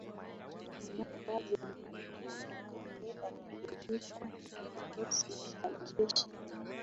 ambapo hadi Mwalimu Nyerere alipeleka kikosi cha jeshi